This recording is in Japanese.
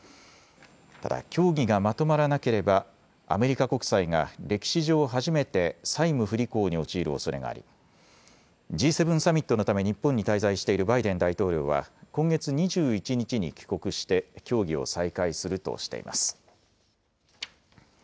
ただ、協議がまとまらなければ、アメリカ国債が歴史上初めて債務不履行に陥るおそれがあり、Ｇ７サミットのため、日本に滞在しているバイデン大統領は、今月２１日に帰国して、協議を再開するとしています。